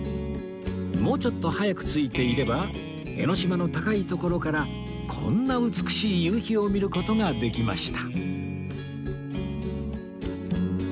もうちょっと早く着いていれば江の島の高い所からこんな美しい夕日を見る事ができました